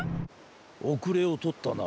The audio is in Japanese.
おくれをとったな。